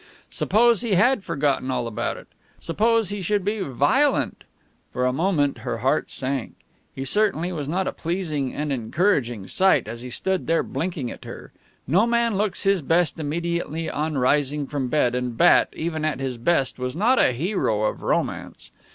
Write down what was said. Suppose he had forgotten all about it! Suppose he should be violent! For a moment her heart sank. He certainly was not a pleasing and encouraging sight, as he stood there blinking at her. No man looks his best immediately on rising from bed, and Bat, even at his best, was not a hero of romance.